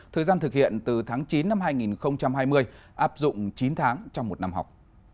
thời gian thực hiện từ tháng chín năm hai nghìn hai mươi áp dụng chín tháng trong một năm học